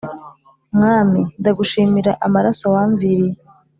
Mwami ndagushimira amaraso wamviriye